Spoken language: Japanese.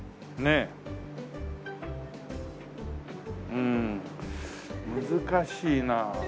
うーん難しいなあ。